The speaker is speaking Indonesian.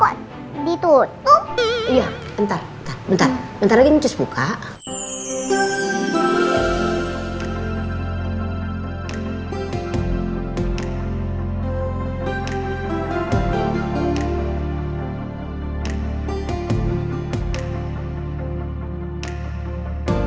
operasi warah heuti